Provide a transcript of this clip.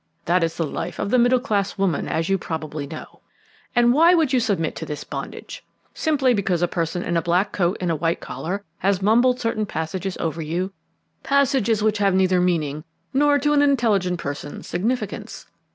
That is the life of the middle class woman, as you probably know. And why would you submit to this bondage? Simply because a person in a black coat and a white collar has mumbled certain passages over you passages which have neither meaning nor, to an intelligent person, significance.